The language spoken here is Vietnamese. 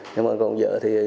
nhưng mà còn vợ thì